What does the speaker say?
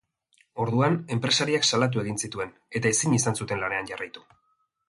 Orduan, enpresariak salatu egin zituen, eta ezin izan zuten lanean jarraitu.